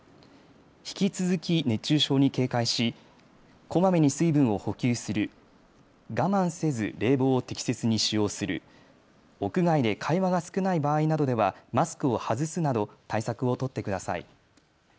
引き続き熱中症に警戒しこまめに水分を補給する、我慢せず冷房を適切に使用する、屋外で会話が少ない場合などではマスクを外すなど対策を取ってください。